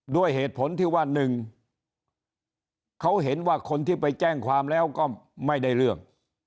ด้วยเหตุผลที่ว่า๑เขาเห็นว่าคนที่ไปแจ้งความแล้วก็ไม่ได้เรื่อง